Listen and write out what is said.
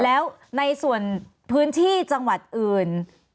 แล้วในส่วนพื้นที่จังหวัดอื่น